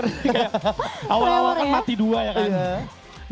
kayak awal awal mati dua ya kan